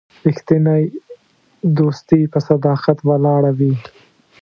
رښتینی دوستي په صداقت ولاړه وي.